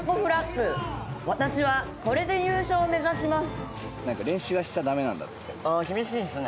私はこれで優勝を目指します。